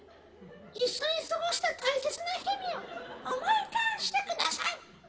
一緒に過ごした大切な日々を思い返してください！